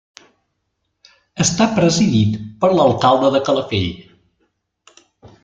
Està presidit per l'alcalde de Calafell.